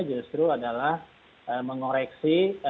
justru adalah mengoreksi